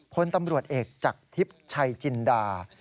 คนตำรวจเอกจากทฤษฐรรย์ชัยจินดา